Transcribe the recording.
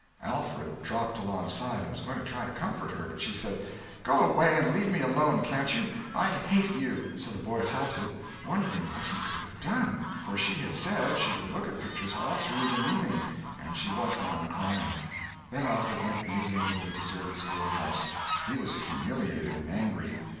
Alfred dropped alongside and was going to try to comfort her, but she said: "Go away and leave me alone, can't you! I hate you!" So the boy halted, wondering what he could have done—for she had said she would look at pictures all through the nooning—and she walked on, crying. Then Alfred went musing into the deserted schoolhouse. He was humiliated and angry.